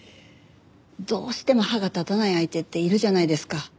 どうしても歯が立たない相手っているじゃないですか。